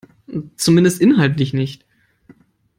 Zumindest inhaltlich nicht.